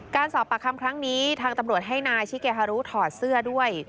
การสอบปากคำครั้งนี้ทางตำรวจให้นายชิเกฮารุถอดเสื้อด้วย